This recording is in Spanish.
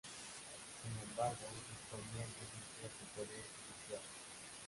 Sin embargo, disponían de un cierto poder judicial.